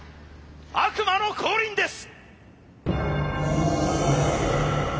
悪魔の降臨です！